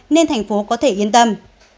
nên thành phố có thể yên tâm